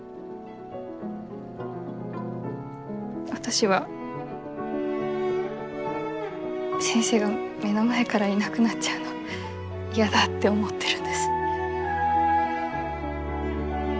私は先生が目の前からいなくなっちゃうのやだって思ってるんです。